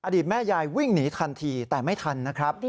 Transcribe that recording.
ตแม่ยายวิ่งหนีทันทีแต่ไม่ทันนะครับ